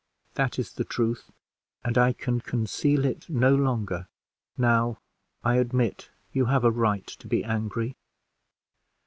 That is the truth, and I can conceal it no longer. Now I admit you have a right to be angry."